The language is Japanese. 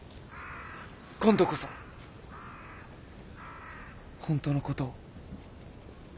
今度こそ本当のことを。